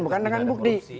bukan dengan bukti